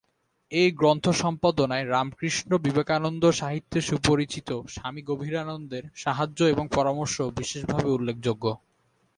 এই গ্রন্থ সম্পাদনায় রামকৃষ্ণ-বিবেকানন্দ সাহিত্যে সুপরিচিত স্বামী গম্ভীরানন্দের সাহায্য এবং পরামর্শও বিশেষভাবে উল্লেখযোগ্য।